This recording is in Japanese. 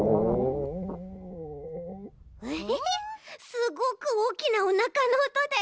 すごくおおきなおなかのおとだち。